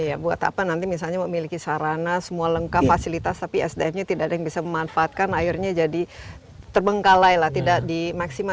ya buat apa nanti misalnya memiliki sarana semua lengkap fasilitas tapi sdm nya tidak ada yang bisa memanfaatkan akhirnya jadi terbengkalai lah tidak dimaksimalkan